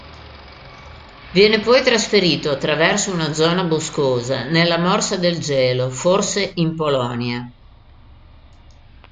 Viene poi trasferito attraverso una zona boscosa nella morsa del gelo, forse in Polonia.